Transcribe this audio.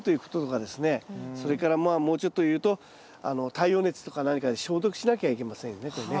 それからまあもうちょっと言うと太陽熱とか何かで消毒しなきゃいけませんよねこれね。